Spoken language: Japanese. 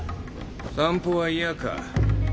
散歩は嫌か。